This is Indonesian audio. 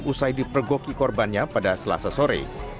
usai dipergoki korbannya pada selasa sore